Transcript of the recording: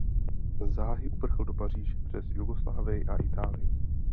Záhy uprchl do Paříže přes Jugoslávii a Itálii.